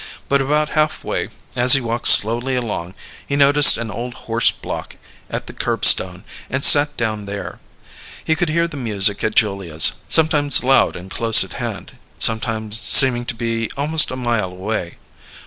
But about half way, as he walked slowly along, he noticed an old horse block at the curbstone, and sat down there. He could hear the music at Julia's, sometimes loud and close at hand, sometimes seeming to be almost a mile away.